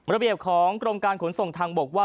ระเบียบของกรมการขนส่งทางบกว่า